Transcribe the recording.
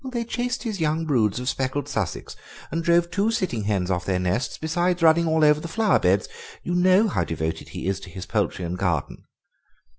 "They chased his young broods of speckled Sussex and drove two sitting hens off their nests, besides running all over the flower beds. You know how devoted he is to his poultry and garden."